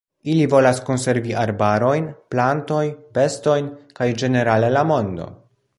Ili volas konservi arbarojn, plantoj, bestojn kaj ĝenerale la mondo.